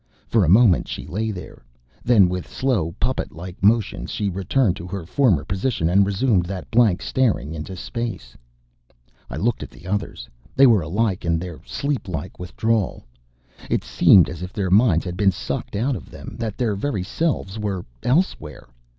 For a moment she lay there. Then with slow, puppet like motions, she returned to her former position and resumed that blank staring into space. I looked at the others. They were alike in their sleep like withdrawal. It seemed as if their minds had been sucked out of them, that their very selves were elsewhere.